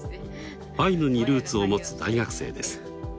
アイヌにルーツを持つ大学生です。